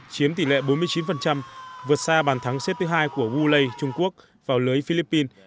chiếm tỷ lệ bốn mươi chín vượt xa bàn thắng xếp thứ hai của bullei trung quốc vào lưới philippines